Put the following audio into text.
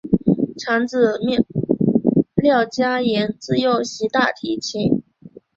长子廖嘉言自幼习大提琴。